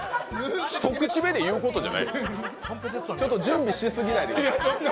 一口目で言うことじゃないちょっと準備しすぎないでください。